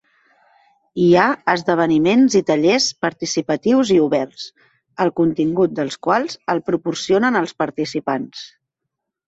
Hi ha esdeveniments i tallers participatius i oberts, el contingut dels quals el proporcionen els participants.